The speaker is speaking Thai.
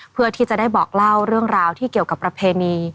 เพื่อที่จะได้บอกเล่าเรื่องราวที่เกี่ยวกับประเพณี